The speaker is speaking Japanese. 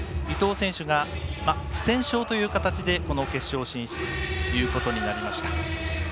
伊藤選手が、不戦勝という形でこの決勝進出ということになりました。